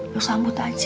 lo sambut aja